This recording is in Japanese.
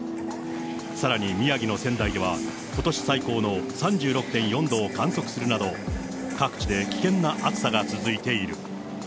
さらに宮城の仙台ではことし最高の３６．４度を観測するなど、各地で危険な暑さが続いている。